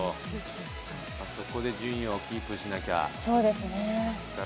ここで順位をキープしなきゃ。